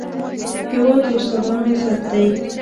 هېواد د استادانو عزت دی.